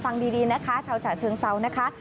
ฟังดีนะคะชาวฉะเชิงเซานะคะ